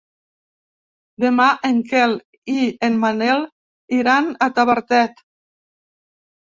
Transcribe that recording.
Demà en Quel i en Manel iran a Tavertet.